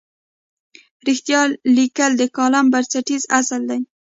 رښتیا لیکل د کالم بنسټیز اصل دی.